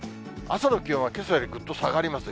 朝の気温はけさよりぐっと下がります。